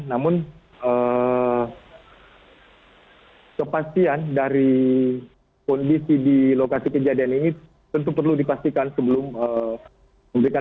namun kepastian dari kondisi di lokasi kejadian ini tentu perlu dipastikan sebelum memberikan